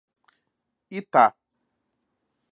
Itá